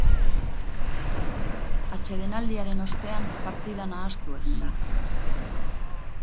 Atsedenaldiaren ostean partida nahastu egin da.